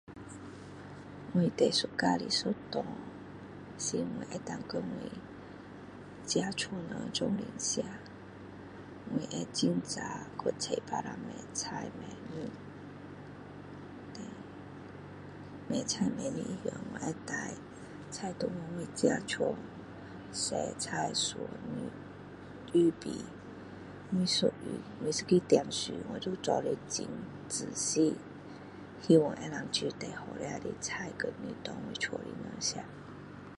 我最喜欢的一段是我能够跟我自己家人一起吃我会很早去菜巴杀买菜买肉then买菜买肉以后我会带菜回去我自己家洗菜切肉预备每一样每一个订制都会做到很仔细希望可以煮最好吃的菜和肉给我家里的人吃